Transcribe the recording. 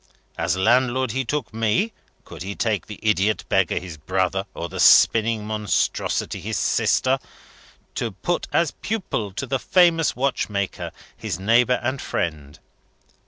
As Landlord, he took me (could he take the idiot beggar his brother, or the spinning monstrosity his sister?) to put as pupil to the famous watchmaker, his neighbour and friend.